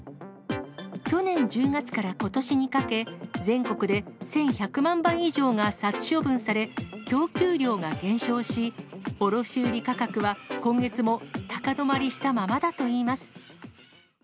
去年１０月からことしにかけ、全国で１１００万羽以上が殺処分され、供給量が減少し、卸売り価格は今月も高止まりしたままだといいます。